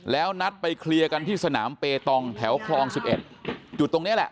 แล้วนัดไปเคลียร์กันที่สนามเปตองแถวคลอง๑๑จุดตรงนี้แหละ